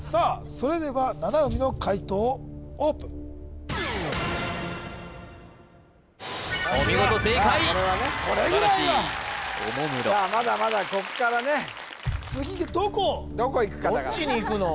それでは七海の解答をオープンお見事正解素晴らしいおもむろまだまだこっからね次どこをどこいくかだからどっちにいくの？